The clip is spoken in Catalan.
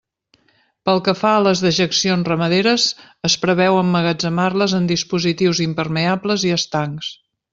Pel que fa a les dejeccions ramaderes, es preveu emmagatzemar-les en dispositius impermeables i estancs.